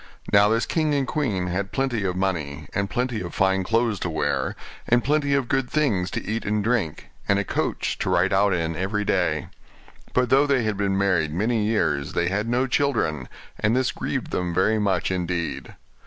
Now this king and queen had plenty of money, and plenty of fine clothes to wear, and plenty of good things to eat and drink, and a coach to ride out in every day: but though they had been married many years they had no children, and this grieved them very much indeed.